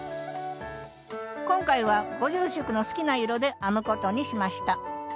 今回はご住職の好きな色で編むことにしました。